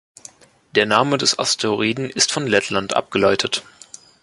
Der Name des Asteroiden ist von Lettland abgeleitet.